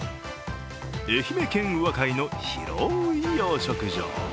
愛媛県宇和海の広い養殖場。